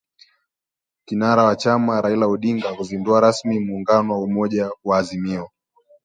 Kinara wa chama Raila Odinga kuzindua rasmi muungano wa umoja wa azimio